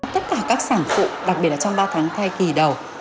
tất cả các sản phụ đặc biệt là trong ba tháng thay kỳ đầu